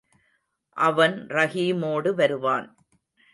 அவன் ரஹீமோடு வருவான்.